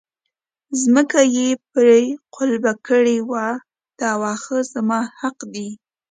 ځمکه یې پرې قلبه کړې وه دا واښه زما حق دی.